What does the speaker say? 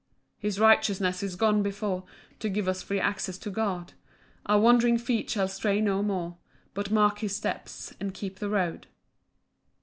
4 His righteousness is gone before To give us free access to God; Our wandering feet shall stray no more, But mark his steps and keep the road.